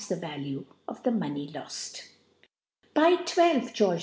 the Value of the Money loft. By 1 2 George 11.